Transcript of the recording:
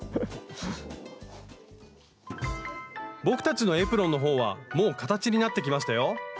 僕たちのエプロンの方はもう形になってきましたよ。